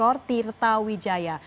hari ini datang dari